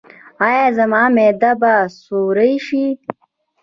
ایا زما معده به سورۍ شي؟